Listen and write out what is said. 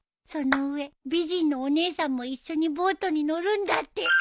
その上美人のお姉さんも一緒にボートに乗るんだって！